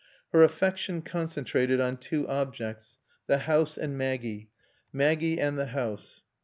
Her affection concentrated on two objects, the house and Maggie, Maggie and the house.